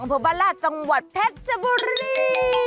ในบ้านราชจังหวัดเพชรบรี